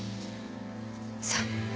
そう。